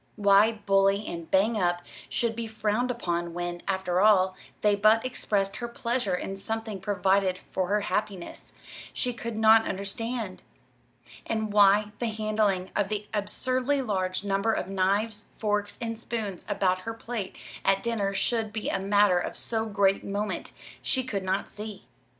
Why "bully" and "bang up" should be frowned upon when, after all, they but expressed her pleasure in something provided for her happiness, she could not understand; and why the handling of the absurdly large number of knives, forks, and spoons about her plate at dinner should be a matter of so great moment, she could not see.